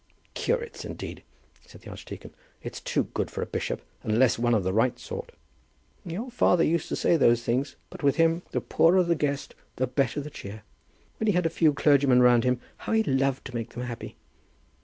'" "Curates indeed!" said the archdeacon. "It's too good for a bishop, unless one of the right sort." "Your father used to say those things, but with him the poorer the guest the better the cheer. When he had a few clergymen round him, how he loved to make them happy!"